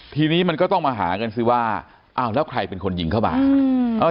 ทีนี้มันก็ต้องมาหากันสิว่าอ้าวแล้วใครเป็นคนยิงเข้ามา